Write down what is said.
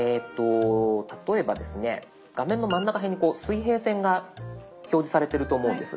例えば画面の真ん中辺に水平線が表示されてると思うんです。